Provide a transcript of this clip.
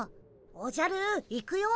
おじゃる行くよ。